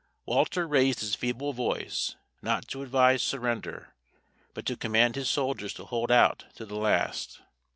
Walter raised his feeble voice, not to advise surrender, but to command his soldiers to hold out to the last.